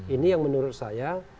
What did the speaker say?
ini yang menurut saya